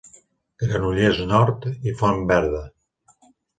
Granollers Nord i Font Verda.